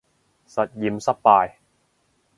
實驗失敗